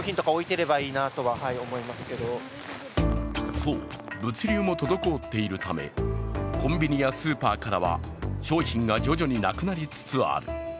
そう、物流も滞っているためコンビニやスーパーからは商品が徐々になくなりつつある。